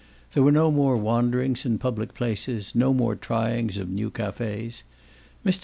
There were no more wanderings in public places, no more tryings of new cafes. Mr.